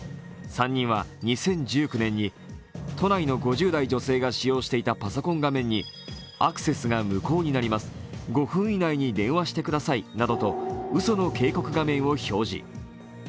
３人は２０１９年に都内の５０代女性が使用していたパソコン画面にアクセスが無効になります、５分以内に電話してくださいなどとうその警告画面を表示。